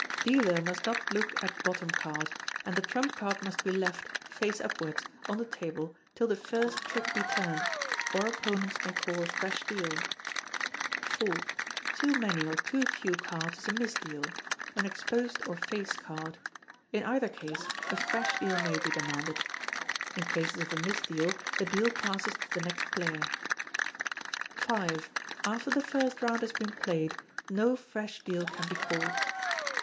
Dealer must not look at bottom card; and the trump card must be left, face upwards, on the table till the first trick be turned, or opponents may call a fresh deal. iv. Too many or too few cards is a misdeal an exposed or face card. In either case, a fresh deal may be demanded. [In cases of a misdeal, the deal passes to the next player.] v. After the first round has been played, no fresh deal can be called.